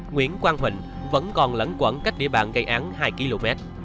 nguyễn quang huỳnh vẫn còn lẫn quẩn cách địa bàn gây án hai km